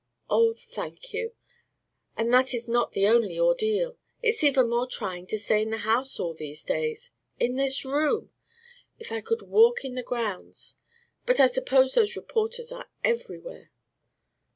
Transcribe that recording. "Oh, thank you! But that is not the only ordeal. It's even more trying to stay in the house all these days in this room! If I could walk in the grounds. But I suppose those reporters are everywhere."